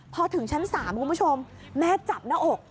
พอถึงชั้น๓คุณผู้ชมแม่จับหน้าอก